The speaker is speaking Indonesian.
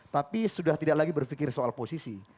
tapi sudah tidak lagi berpikir soal posisi